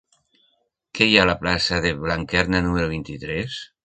Què hi ha a la plaça de Blanquerna número vint-i-tres?